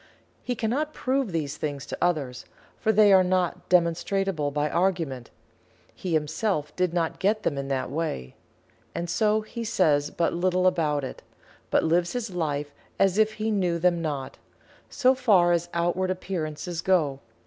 He cannot prove these things to others, for they are not demonstrable by argument he himself did not get them in that way. And so he says but little about it but lives his life as if he knew them not, so far as outward appearances go.